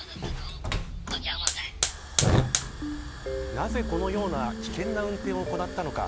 なぜ、このような危険な運転を行ったのか。